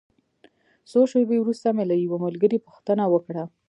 څو شېبې وروسته مې له یوه ملګري پوښتنه وکړه.